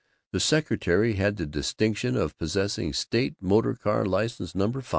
The secretary had the distinction of possessing State Motor Car License Number 5.